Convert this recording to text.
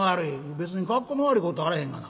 「別に格好の悪いことあらへんがな。